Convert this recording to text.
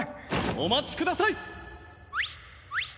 お待ちください！